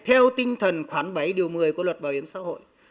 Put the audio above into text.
theo tinh thần khoản bảy điều một mươi của luật bảo hiểm xã hội